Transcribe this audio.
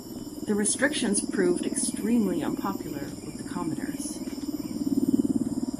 The restrictions proved extremely unpopular with the commoners.